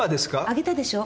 あげたでしょ？